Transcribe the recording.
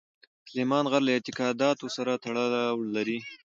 سلیمان غر له اعتقاداتو سره تړاو لري.